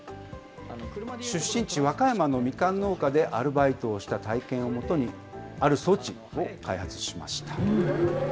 出身地、和歌山のみかん農家でアルバイトをしたたいけんをもとにある装置を開発しました。